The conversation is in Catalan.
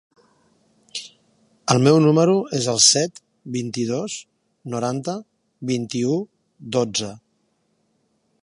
El meu número es el set, vint-i-dos, noranta, vint-i-u, dotze.